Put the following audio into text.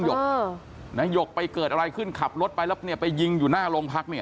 หยกไปเกิดอะไรขึ้นขับรถไปแล้วเนี่ยไปยิงอยู่หน้าโรงพักเนี่ย